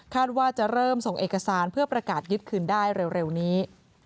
ว่าจะเริ่มส่งเอกสารเพื่อประกาศยึดคืนได้เร็วนี้